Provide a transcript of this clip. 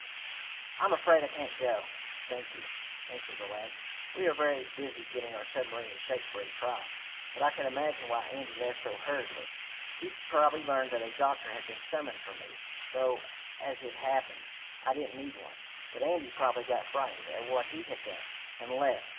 "I'm afraid I can't go, thank you," answered the lad. "We are very busy getting our submarine in shape for a trial. But I can imagine why Andy left so hurriedly. He probably learned that a doctor had been summoned for me, though, as it happened, I didn't need one. But Andy probably got frightened at what he had done, and left.